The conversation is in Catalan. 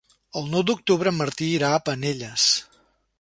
El nou d'octubre en Martí irà a Penelles.